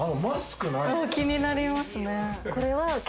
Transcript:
気になりますね。